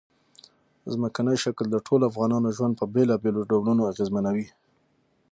ځمکنی شکل د ټولو افغانانو ژوند په بېلابېلو ډولونو اغېزمنوي.